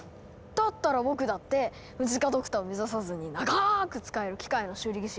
だったら僕だってムジカ・ドクターを目指さずに長く使える機械の修理技師やってたほうがいいですよ。